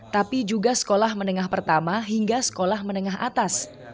tapi juga sekolah menengah pertama hingga sekolah menengah atas